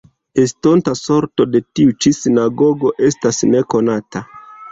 Estonta sorto de tiu ĉi sinagogo estas nekonata.